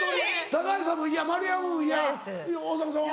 高橋さんも嫌丸山も嫌大迫さんは？